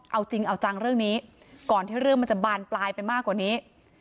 เอาจริงเอาจังเรื่องนี้ก่อนที่เรื่องมันจะบานปลายไปมากกว่านี้